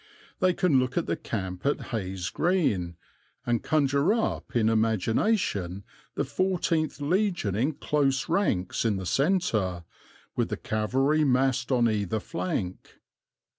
They can look at the camp at Haynes Green and conjure up in imagination the fourteenth legion in close ranks in the centre, with the cavalry massed on either flank.